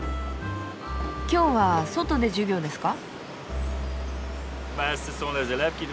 今日は外で授業ですか？